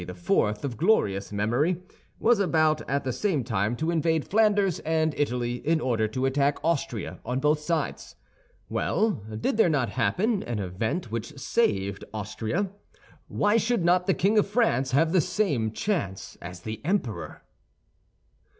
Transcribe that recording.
of glorious memory, was about, at the same time, to invade Flanders and Italy, in order to attack Austria on both sides. Well, did there not happen an event which saved Austria? Why should not the king of France have the same chance as the emperor?"